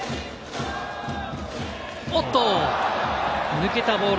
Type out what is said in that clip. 抜けたボール。